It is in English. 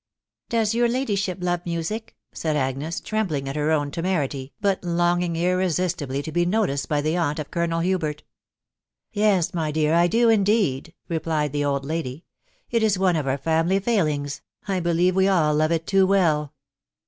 " Does your ladyship love music?" said Agnes, trembling at her own temerity, but longing irresistibly to be noticed by the aunt of Colonel Hubert. " Yes, my dear, I do indeed," replied the old lady. *' It is one of our family failings, — I believe we all love it too well."